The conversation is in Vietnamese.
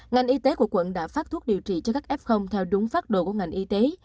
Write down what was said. ngành y tế của quận đã phát thuốc điều trị cho các f theo đúng phát đồ của ngành y tế